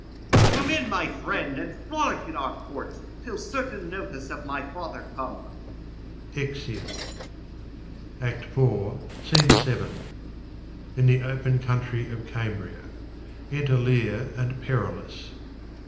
Come in, my friend, and frolic in our court, Till certain notice of my father come. [Exeunt. SCENE VII. In the open country of Cambria. Enter Leir and Perillus.